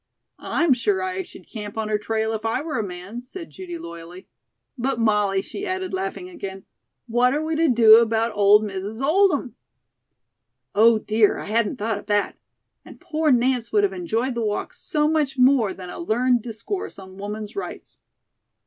"I'm sure I should camp on her trail if I were a man," said Judy loyally. "But, Molly," she added, laughing again, "what are we to do about old Mrs. Oldham?" "Oh, dear! I hadn't thought of that. And poor Nance would have enjoyed the walk so much more than a learned discourse on woman's rights."